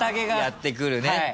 やってくるね。